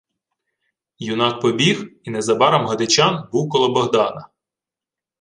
Юнак побіг, і незабаром Годечан був коло Богдана.